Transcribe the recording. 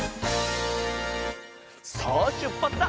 さあしゅっぱつだ！